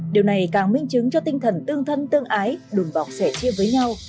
điều này càng minh chứng cho tinh thần tương thân tương ái đùm bọc sẻ chia với nhau